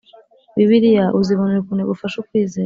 Bibiliya uzibonera ukuntu igufasha ukwizera